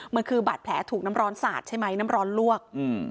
มันคือบาดแผลถูกน้ำร้อนสาดใช่ไหมน้ำร้อนลวก